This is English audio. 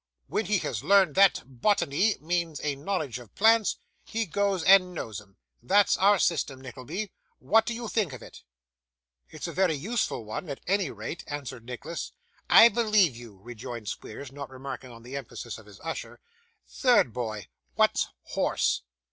When he has learned that bottinney means a knowledge of plants, he goes and knows 'em. That's our system, Nickleby: what do you think of it?' 'It's very useful one, at any rate,' answered Nicholas. 'I believe you,' rejoined Squeers, not remarking the emphasis of his usher. 'Third boy, what's horse?